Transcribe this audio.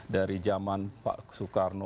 dari jaman pak soekarno